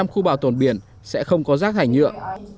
một trăm khu bảo tồn biển sẽ không có rác thải nhựa